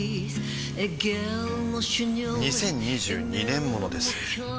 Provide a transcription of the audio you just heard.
２０２２年モノです